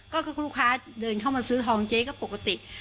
ก็คือลูกค้าเดินเข้ามาซื้อทองเจ๊ก็ปกติ